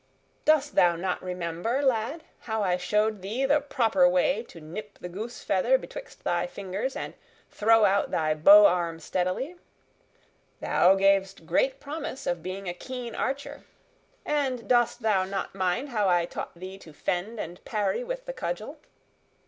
Dost thou not remember, lad, how I showed thee the proper way to nip the goose feather betwixt thy fingers and throw out thy bow arm steadily? Thou gayest great promise of being a keen archer. And dost thou not mind how I taught thee to fend and parry with the cudgel?"